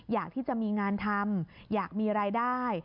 อยากที่จะมีงานทำอยากมีรายได้